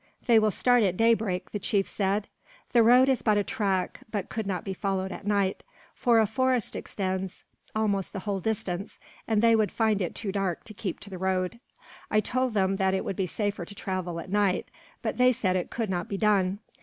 "They will start at daybreak," the chief said. "The road is but a track, and could not be followed at night; for a forest extends almost the whole distance, and they would find it too dark to keep to the road. I told them that it would be safer to travel at night, but they said it could not be done.